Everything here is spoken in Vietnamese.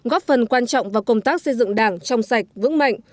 góp phần quan trọng vào công tác xây dựng đảng trong sạch vững mạnh